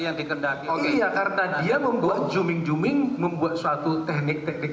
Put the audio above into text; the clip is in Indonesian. yang dikendaki oh iya karena dia membuat zooming zooming membuat suatu teknik teknik